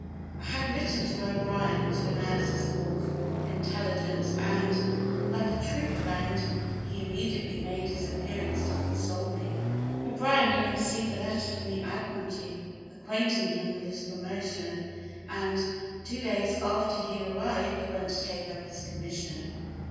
I had written to O'Brien to announce the mournful intelligence, and, like a true friend, he immediately made his appearance to console me. O'Brien had received the letter from the Admiralty, acquainting him with his promotion; and, two days after he arrived, went to take up his commission.